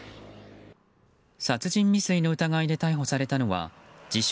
殺人未遂の疑いで逮捕されたのは自称